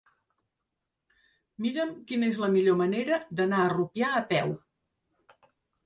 Mira'm quina és la millor manera d'anar a Rupià a peu.